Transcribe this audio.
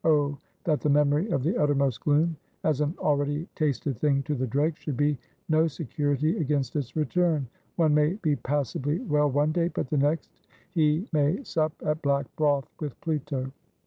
Oh that the memory of the uttermost gloom as an already tasted thing to the dregs, should be no security against its return. One may be passibly well one day, but the next, he may sup at black broth with Pluto.